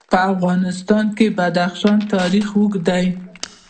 په افغانستان کې د بدخشان تاریخ اوږد دی.